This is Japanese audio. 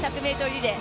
リレー